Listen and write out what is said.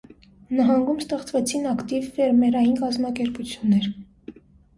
Նահանգում ստեղծվեցին ակտիվ ֆերմերային կազմակերպություններ։